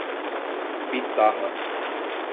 Piçarra